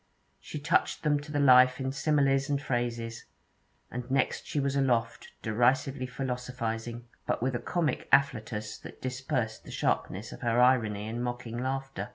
She touched them to the life in similes and phrases; and next she was aloft, derisively philosophizing, but with a comic afflatus that dispersed the sharpness of her irony in mocking laughter.